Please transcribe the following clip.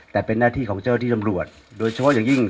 แต่เป็นหน้าที่ของเจ้าที่ตำรวจโดยเฉพาะอย่างยิ่ง